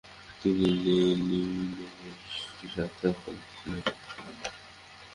তিনি লেনিনের একটি সাক্ষাৎকার নেন।